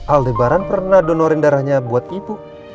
aldebaran pernah donorin darahnya buat ibu